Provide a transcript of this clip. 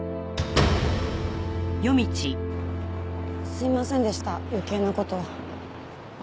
すいませんでした余計な事を。